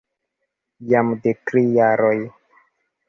Jam de tri jaroj.